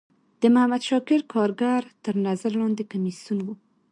د محمد شاکر کارګر تر نظر لاندی کمیسیون و.